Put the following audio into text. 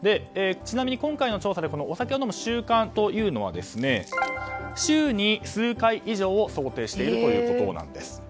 ちなみに、今回の調査でお酒を飲む習慣というのは週に数回以上を想定しているということです。